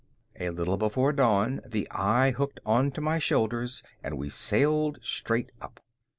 A little before dawn, the eye hooked onto my shoulders and we sailed straight up.